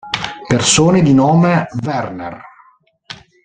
Persone di nome Werner